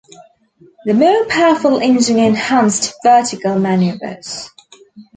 The more powerful engine enhanced vertical maneuvers.